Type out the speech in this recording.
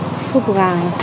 đó là một suốt gà